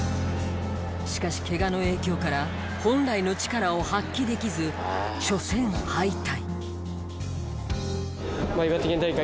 しかしケガの影響から本来の力を発揮できず初戦敗退。